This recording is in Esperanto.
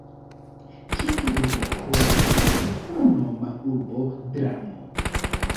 Ĉefa loĝloko estas la samnoma urbo "Dramo".